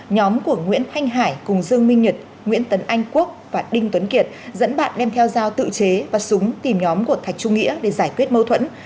nhóm của nguyễn thanh hải cùng dương minh nhật nguyễn tấn anh quốc và đinh tuấn kiệt dẫn bạn đem theo dao tự chế và súng tìm nhóm của thạch trung nghĩa để giải quyết mâu thuẫn